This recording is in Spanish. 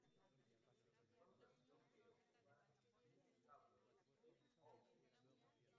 La principal población que ocupa el cabo es Howth.